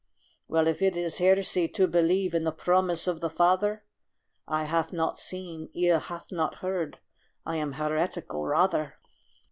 Well, if it is heresy to believe In the promise of the Father, "Eye hath not seen, ear hath not heard," I am heretical, rather.